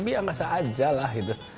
biasa aja lah gitu